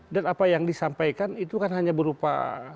dan apa yang disampaikan itu kan hanya berupa